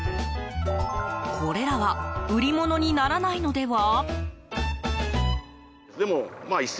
これらは売り物にならないのでは？